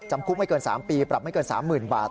จำคุกไม่เกิน๓ปีปรับไม่เกิน๓๐๐๐บาท